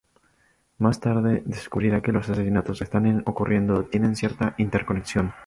Más tarde descubrirá que los asesinatos que están ocurriendo tienen cierta interconexión.